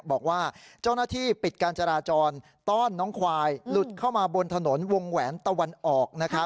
บอกว่าเจ้าหน้าที่ปิดการจราจรต้อนน้องควายหลุดเข้ามาบนถนนวงแหวนตะวันออก